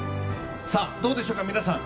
どうでしょうか、皆さん。